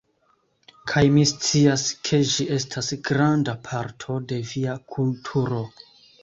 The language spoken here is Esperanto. Kaj mi scias, ke ĝi estas granda parto de via kulturo